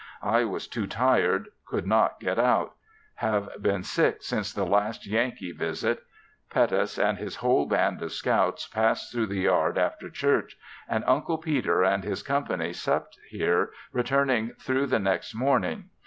I was too tired, could not get out; have been sick since the last Yankee visit. Pettus and his whole band of scouts passed through the yard after church, and Uncle Peter and his company supped here returning through the next morning.